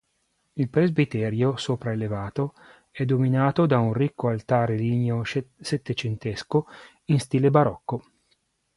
Il presbiterio, sopraelevato, è dominato da un ricco altare ligneo settecentesco in stile barocco.